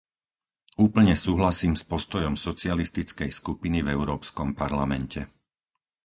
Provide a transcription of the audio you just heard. Úplne súhlasím s postojom Socialistickej skupiny v Európskom parlamente.